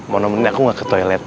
mau nemuin aku gak ke toilet